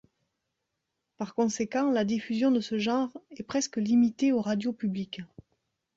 Par conséquent, la diffusion de ce genre est presque limitée aux radios publiques.